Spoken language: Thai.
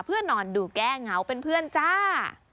เพื่อนอนดูแก้เหงาเป็นเพื่อนจ้า